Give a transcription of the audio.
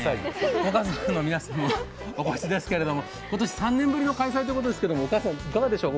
お母さんも皆さんもお越しですけれども、今年３年ぶりの開催ということですけれども、お母さんいかがでしょう